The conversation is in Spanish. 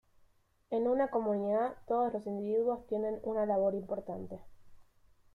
En una comunidad todos los individuos tienen una labor importante.